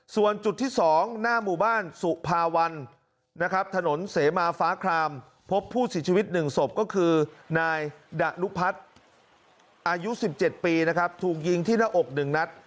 ส่วนจุดที่๒หน้าหมู่บ้านสุภาวันถนนเสมาฟ้าคลามพบผู้ศิษย์ชีวิตหนึ่งศพก็คือนายดะนุพัฒน์อายุ๑๗ปีถูกยิงที่หน้าอกหนึ่งนัด